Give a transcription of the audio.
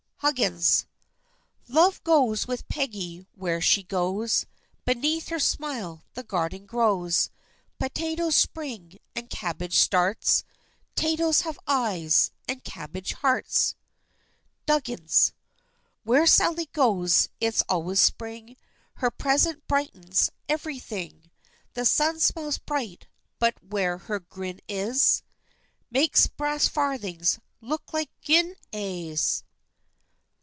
HUGGINS. Love goes with Peggy where she goes, Beneath her smile the garden grows; Potatoes spring, and cabbage starts, 'Tatoes have eyes, and cabbage hearts! DUGGINS. Where Sally goes it's always Spring, Her presence brightens everything; The sun smiles bright, but where her grin is, It makes brass farthings look like guineas.